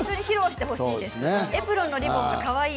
エプロンのリボンがかわいい。